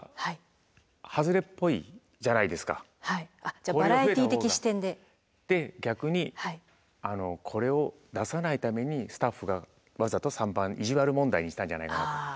じゃあバラエティー的視点で。で逆にこれを出さないためにスタッフがわざと３番意地悪問題にしたんじゃないかな。